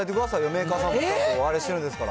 メーカーさんもあれしてるんですから。